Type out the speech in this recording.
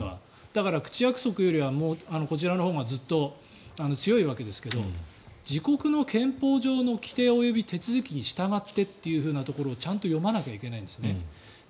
だから、口約束よりはこちらのほうがずっと強いわけですけど自国の憲法上の規定及び手続きに従ってというところをちゃんと読まなきゃいけないんですね。